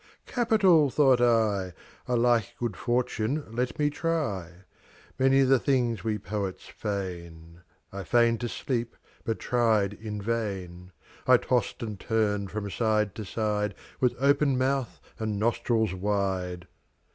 'Capital!' thought I. 'A like good fortune let me try.' Many the things we poets feign. I feign'd to sleep, but tried in vain. I tost and turn'd from side to side, With open mouth and nostrils wide.